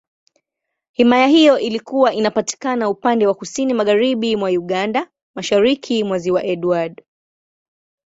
Himaya hiyo ilikuwa inapatikana upande wa Kusini Magharibi mwa Uganda, Mashariki mwa Ziwa Edward.